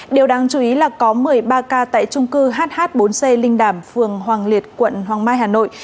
điều đáng chú ý là có một mươi ba ca tại trung cư hh bốn c linh đàm phường hoàng liệt quận hoàng mai hà nội